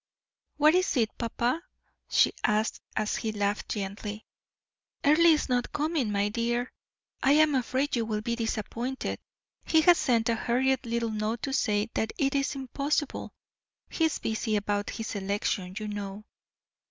"What is it, papa?" she asked, as he laughed, gently. "Earle is not coming, my dear. I am afraid you will be disappointed. He has sent a hurried little note to say that it is impossible. He is busy about his election, you know."